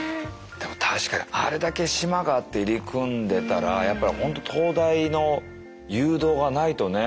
でも確かにあれだけ島があって入り組んでたらホント灯台の誘導がないとね。